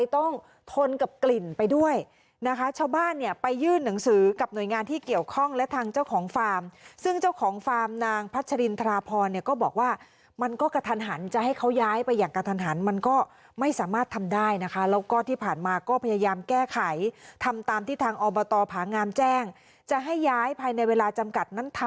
ต้องทนกับกลิ่นไปด้วยนะคะชาวบ้านเนี่ยไปยื่นหนังสือกับหน่วยงานที่เกี่ยวข้องและทางเจ้าของฟาร์มซึ่งเจ้าของฟาร์มนางพัชรินทราพรเนี่ยก็บอกว่ามันก็กระทันหันจะให้เขาย้ายไปอย่างกระทันหันมันก็ไม่สามารถทำได้นะคะแล้วก็ที่ผ่านมาก็พยายามแก้ไขทำตามที่ทางอบตผางามแจ้งจะให้ย้ายภายในเวลาจำกัดนั้นท